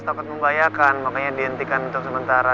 toket membayangkan makanya dihentikan untuk sementara